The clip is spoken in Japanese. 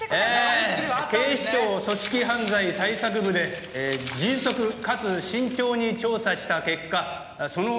えー警視庁組織犯罪対策部で迅速かつ慎重に調査した結果その事実が確認され。